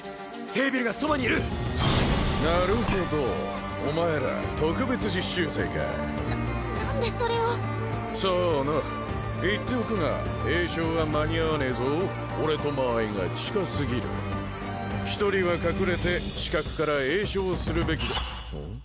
セービルがそばにいるなるほどお前ら特別実習生かな何でそれをさあな言っておくが詠唱は間に合わねえぞ俺と間合いが近すぎる１人は隠れて死角から詠唱するべきだおっ？